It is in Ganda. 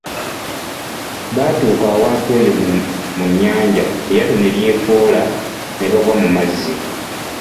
Baatuuka awantu eyo mu nnyanja eryato ne lyefuula ne bagwa mu mazzi.